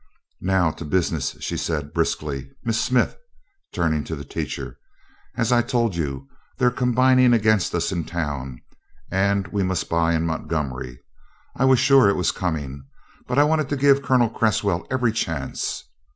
"Now to business," she said briskly. "Miss Smith," turning to the teacher, "as I told you, they're combined against us in town and we must buy in Montgomery. I was sure it was coming, but I wanted to give Colonel Cresswell every chance.